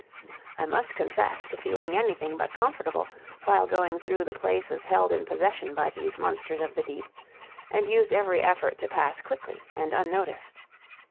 "I must confess to feeling anything but comfortable while going through the places held in possession by these monsters of the deep, and used every effort to pass quickly and unnoticed.